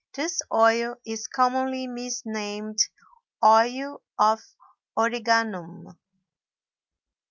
This oil is commonly misnamed Oil of Origanum.